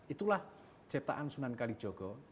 itulah ciptaan sunan kalijogo